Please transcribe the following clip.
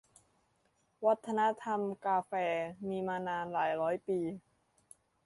วัฒนธรรมกาแฟ มีมานานหลายร้อยปี